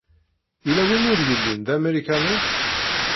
Yella win ur yellin d amarikani?